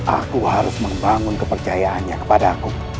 aku harus membangun kepercayaannya kepada aku